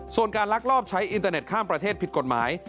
ส่วนการลักลอบใช้อินเตอร์เน็ตข้ามประเทศผิดกฎหมาย